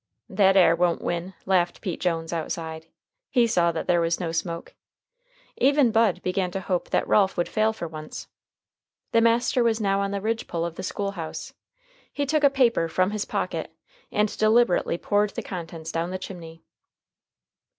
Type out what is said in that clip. "That air won't win," laughed Pete Jones outside. He saw that there was no smoke. Even Bud began to hope that Ralph would fail for once. The master was now on the ridge pole of the school house. He took a paper from his pocket, and deliberately poured the contents down the chimney.